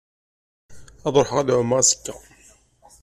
Ad ruḥeɣ ad ɛummeɣ azekka.